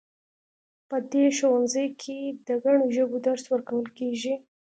په دې ښوونځي کې د ګڼو ژبو درس ورکول کیږي